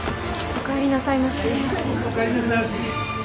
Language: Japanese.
お帰りなさいまし。